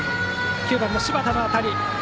９番の柴田の当たり。